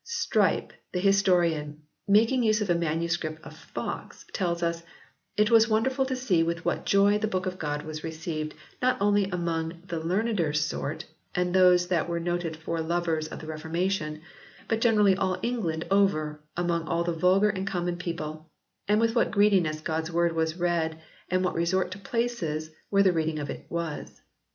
Strype, the historian, making use of a manuscript of Foxe tells us :" It was wonderful to see with what joy the book of God was received not only among the learneder sort and those that were noted for lovers of the reformation, but generally all England over among all the vulgar and common people ; and with what greediness God s word was read and what resort to places where the reading of it was.